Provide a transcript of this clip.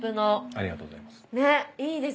ありがとうございます。